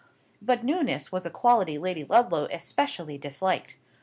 But newness was a quality Lady Ludlow especially disliked.